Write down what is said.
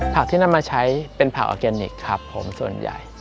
ที่นำมาใช้เป็นผักออร์แกนิคครับผมส่วนใหญ่